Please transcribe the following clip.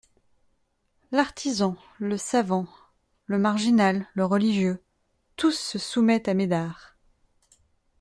L'artisan, le savant, le marginal, le religieux, tous se soumettent à Médard.